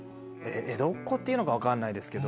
江戸っ子って言うのか分かんないですけど。